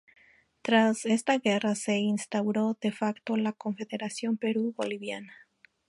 Tras esta guerra se instauró de facto la Confederación Perú-Boliviana.